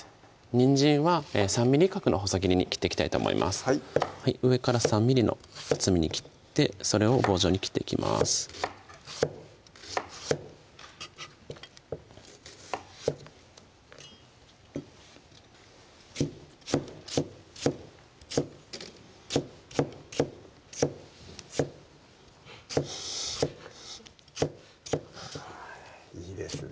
にんじんは３ｍｍ角の細切りに切っていきたいと思います上から３ｍｍの厚みに切ってそれを棒状に切っていきますいいですね